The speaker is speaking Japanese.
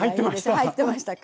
入ってましたか。